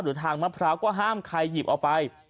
ทางมะพร้าวก็ห้ามใครหยิบเอาไป